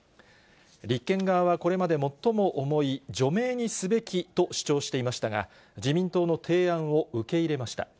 立憲側はこれまで最も重い除名にすべきと主張していましたが、自民党の提案を受け入れました。